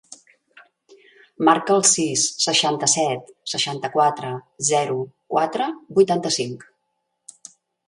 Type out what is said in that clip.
Marca el sis, seixanta-set, seixanta-quatre, zero, quatre, vuitanta-cinc.